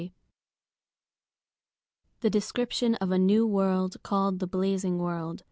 THE DESCRIPTION OF A NEW WORLD, CALLED The Blazing World.